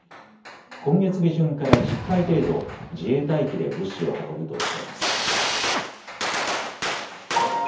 今月下旬から１０回程度、自衛隊機で物資を運ぶとしています。